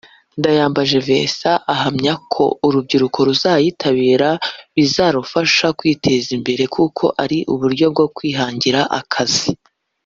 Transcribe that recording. Ndayambaje Vincent ahamya ko urubyiruko ruzayitabira bizarufasha kwiteza imbere kuko ari uburyo bwo kwihangira akazi